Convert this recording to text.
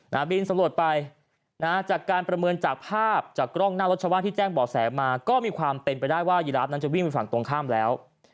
บินสำรวจไปนะฮะจากการประเมินจากภาพจากกล้องหน้ารถชาวบ้านที่แจ้งบ่อแสมาก็มีความเป็นไปได้ว่ายีราฟนั้นจะวิ่งไปฝั่งตรงข้ามแล้ว